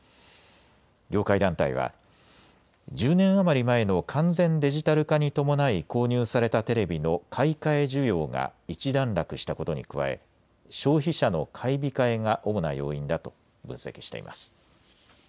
業界団体は１０年余り前の完全デジタル化に伴い購入されたテレビの買い替え需要が一段落したことに加え消費者の買い控えが主な要因だと分析しています。